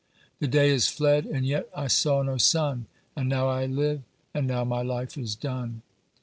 The day is fled, and yet I saw no sun, And now I live, and now my life is done!